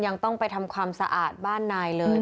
ยังต้องไปทำความสะอาดบ้านนายเลย